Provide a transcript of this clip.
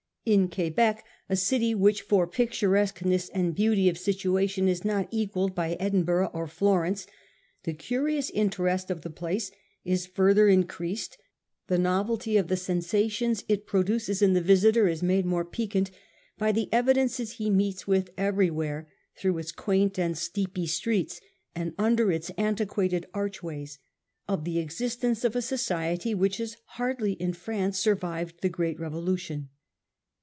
In Quebec, a city which for pic turesqueness and beauty of situation is not equalled by Edinburgh or Florence, the curious interest of the place is further increased, the novelty of the sensa tions it produces in the visitor is made more piquant, by the evidences he meets with everywhere, through its quaint and steepy streets, and under its antiquated archways, of the existence of a society which has hardly in France survived the Great Revolution.